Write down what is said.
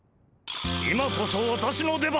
今こそ私の出番！